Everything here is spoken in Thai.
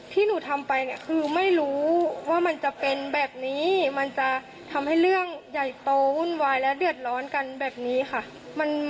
ที่หนูทำไปเนี่ยคือไม่รู้ว่ามันจะเป็นแบบนี้มันจะทำให้เรื่องใหญ่โตวุ่นวายและเดือดร้อนกันแบบนี้ค่ะ